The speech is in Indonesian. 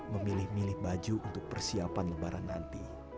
memilih milih baju untuk persiapan lebaran nanti